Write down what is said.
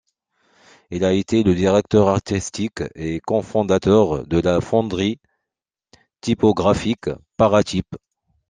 Il a été le directeur artistique et cofondateur de la fonderie typographique ParaType.